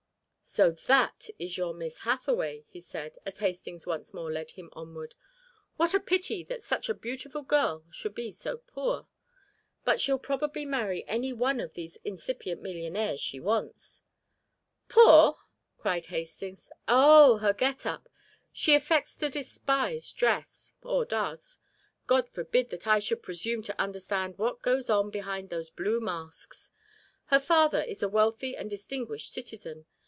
"So that is your Miss Hathaway," he said, as Hastings once more led him onward. "What a pity that such a beautiful girl should be so poor. But she'll probably marry any one of these incipient millionaires she wants." "Poor?" cried Hastings. "Oh, her get up. She affects to despise dress or does. God forbid that I should presume to understand what goes on behind those blue masks. Her father is a wealthy and distinguished citizen.